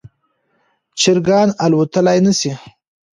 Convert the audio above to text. چرګان الوتلی نشي